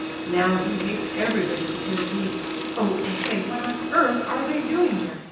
Now he hates everybody because he—Oh, I say, what on earth are they doing there!